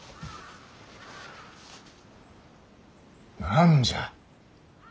何じゃ。